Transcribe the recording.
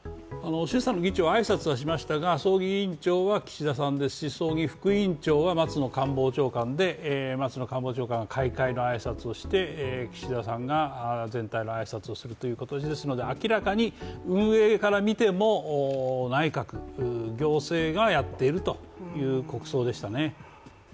衆参議長、挨拶はされましたが葬儀委員長は岸田さんですし、葬儀副委員長は松野官房長官で松野官房長官が開会の挨拶をして岸田さんが全体の挨拶をするという形ですので明らかに運営から見ても、内閣、行政がやっているという国葬でしたね。